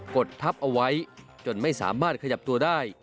ดทับเอาไว้จนไม่สามารถขยับตัวได้